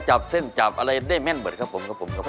จับเส้นจับอะไรได้แม่นเบิดครับผม